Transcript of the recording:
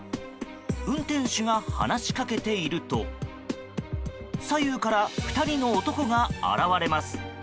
運転手が話しかけていると左右から２人の男が現れます。